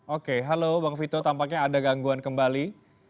oke halo bang vito tampaknya ada gangguan kembali